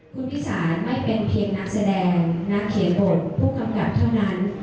คุณพิสารไม่เป็นเพียงนักแสดงนักเขียนบทผู้กำกับเท่านั้น